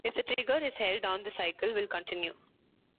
If the trigger is held down the cycle will continue.